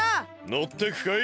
のってくかい？